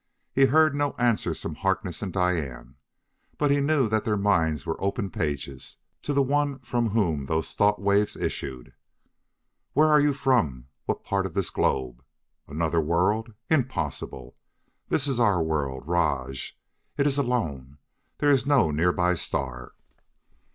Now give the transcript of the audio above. He heard no answer from Harkness and Diane, but he knew that their minds were open pages to the one from whom those thought waves issued. "Where are you from? what part of this globe?... Another world? Impossible! This is our own world, Rajj. It is alone. There is no nearby star."